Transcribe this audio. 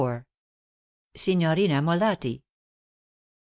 * *SIGNORINA MOLATTI.